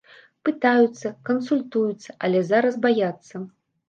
Пытаюцца, кансультуюцца, але зараз баяцца.